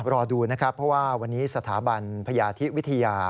รอดูนะครับเพราะว่าวันนี้สถาบันพยาธิวิทยา